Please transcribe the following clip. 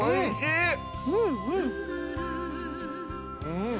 うん。